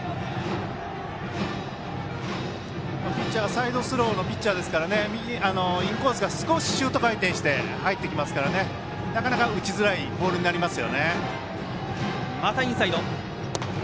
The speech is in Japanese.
サイドスローのピッチャーですからインコースから少しシュート回転して入ってくるのでなかなか打ちづらいボールになります。